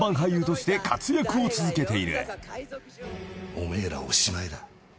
「お前らおしまいだ」